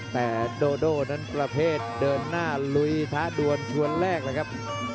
แต่โดโดนั้นประเภทเดินหน้าลุยท้าดวนชวนแรกเลยครับ